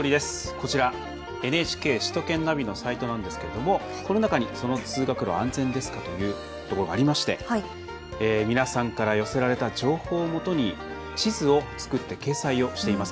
こちら、ＮＨＫ首都圏ナビのサイトなんですけれどもこの中に「その通学路、安全ですか」というところがありまして皆さんから寄せられた情報をもとに地図を作って掲載をしています。